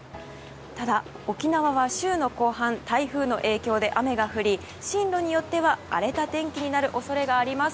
ただ、沖縄は週の後半台風の影響で雨が降り、進路によっては荒れた天気になる恐れがあります。